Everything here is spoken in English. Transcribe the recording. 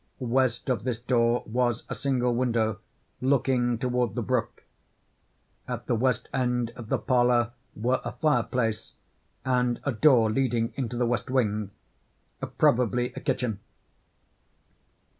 West of this door was a single window, looking toward the brook. At the west end of the parlor, were a fireplace, and a door leading into the west wing—probably a kitchen.